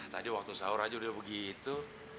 tadi waktu sahur aja udah begitu